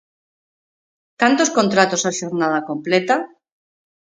¿Cantos contratos a xornada completa?